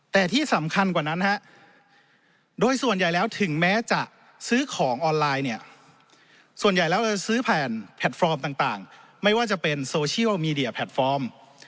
แต่ที่สำคัญกว่านั้นฮะโดยส่วนใหญ่แล้วถึงแม้จะซื้อของออนไลน์เนี่ยส่วนใหญ่แล้วจะซื้อผ่านแพลตฟอร์มต่างไม่ว่าจะเป็นโซเชียลมีเดียแพลตฟอร์ม